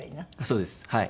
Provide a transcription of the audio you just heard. そうですはい。